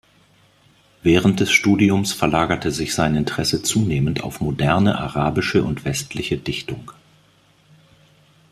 Während des Studiums verlagerte sich sein Interesse zunehmend auf moderne arabische und westliche Dichtung.